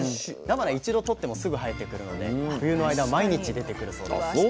なばな一度とってもすぐ生えてくるので冬の間毎日出てくるそうです。